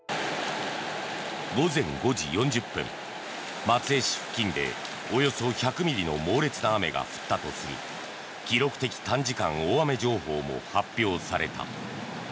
午前５時４０分、松江市付近でおよそ１００ミリの猛烈な雨が降ったとする記録的短時間大雨情報も発表された。